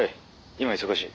今忙しい。